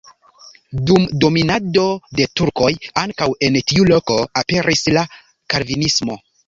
Dum dominado de turkoj ankaŭ en tiu loko aperis la kalvinismo.